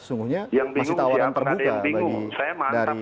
sungguhnya masih tawaran perbuka bagi ustadz faisal dinan